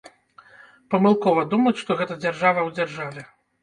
Памылкова думаць, што гэта дзяржава ў дзяржаве.